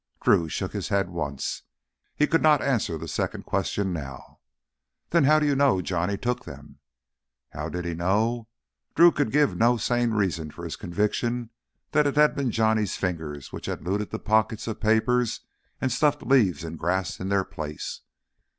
Drew shook his head once. He could not answer the second question now. "Then how do you know Johnny took them?" How did he know? Drew could give no sane reason for his conviction that it had been Johnny's fingers which had looted the pocket of papers and stuffed leaves and grass in their place.